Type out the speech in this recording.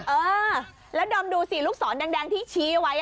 เออแล้วดอมดูสิลูกศรแดงที่ชี้ไว้